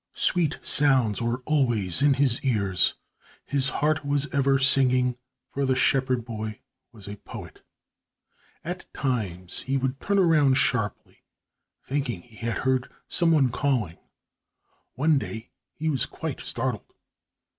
Sweet sounds were always in his ears, his heart was ever singing, for the shepherd boy was a poet. At times he would turn around sharply, thinking he had heard some one calling. One day he was quite startled.